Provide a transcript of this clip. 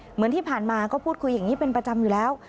เหมือนที่ผ่านมาก็พูดคุยอย่างนี้เป็นประจำอยู่แล้ว